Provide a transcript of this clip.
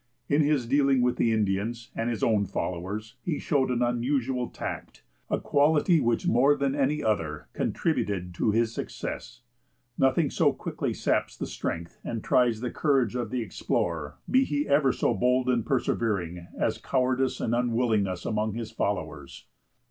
In his dealings with the Indians and his own followers, he showed an unusual tact, a quality which more than any other contributed to his success. Nothing so quickly saps the strength and tries the courage of the explorer, be he ever so bold and persevering, as cowardice and unwillingness among his followers.